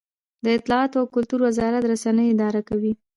د اطلاعاتو او کلتور وزارت رسنۍ اداره کوي